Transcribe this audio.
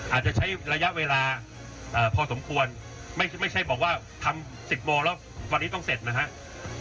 อาจจะใช้ระยะเวลาพอสมควรไม่ใช่บอกว่าทำ๑๐โมงแล้ววันนี้ต้องเสร็จนะครับ